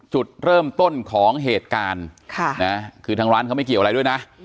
จุดเริ่มต้นของเหตุการณ์คือทางร้านเขาไม่เกี่ยวอะไรด้วยนะ